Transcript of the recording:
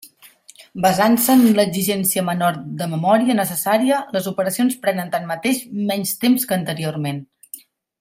Basant-se en l'exigència menor de memòria necessària, les operacions prenen tanmateix menys temps que anteriorment.